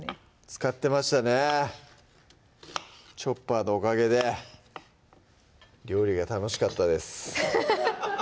使ってましたね「チョッパー」のおかげで料理が楽しかったです